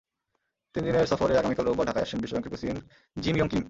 তিন দিনের সফরে আগামীকাল রোববার ঢাকায় আসছেন বিশ্বব্যাংকের প্রেসিডেন্ট জিম ইয়ং কিম।